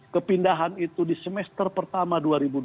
kepindahan itu di semester pertama